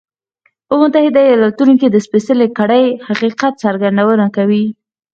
په متحده ایالتونو کې د سپېڅلې کړۍ حقیقت څرګندونه کوي.